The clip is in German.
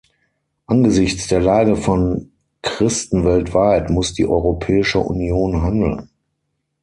Angesichts der Lage von Christen weltweit muss die Europäische Union handeln.